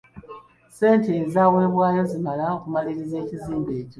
Ssente ezaweebwayo zimala okumaliriza ekizimbe ekyo.